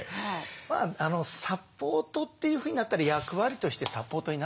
まあサポートというふうになったり役割としてサポートになっちゃうんですけれども